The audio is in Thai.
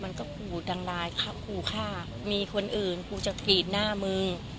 มันก็ขู่ดังลายขู่ฆ่ามีคนอื่นกูจะกรีดหน้ามึง